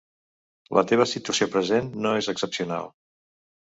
La teva situació present no és excepcional.